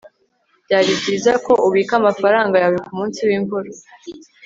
byari byiza ko ubika amafaranga yawe kumunsi wimvura